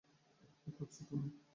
কী খুঁজছ তুমি?